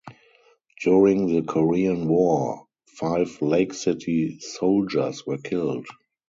During the Korean War, five Lake City soldiers were killed.